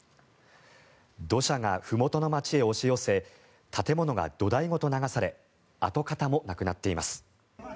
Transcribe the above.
土砂がふもとの街へ押し寄せ建物が土台ごと流され跡形もなくなっています。